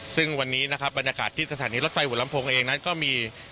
ซึ่งวันนี้นะครับบรรยากาศที่สถานีรถไฟหัวลำโพงเองนั้นก็มี